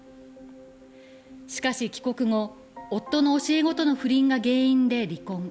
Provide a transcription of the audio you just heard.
しかし、帰国後、夫の教え子との不倫が原因で離婚。